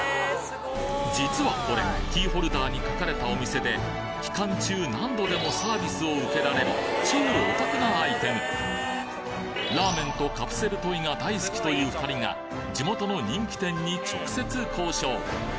実はこれキーホルダーに書かれたお店で期間中何度でもサービスを受けられる超お得なアイテムラーメンとカプセルトイが大好きという２人が地元の人気店に直接交渉！